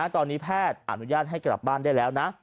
ตอนนี้แพทย์อนุญาตให้กลับบ้านได้แล้วนะ